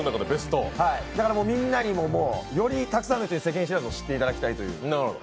だから、みんなにもよりたくさんの人に世間知らズを知っていただきたいという。